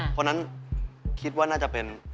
เพราะฉะนั้นคิดว่าน่าจะเป็น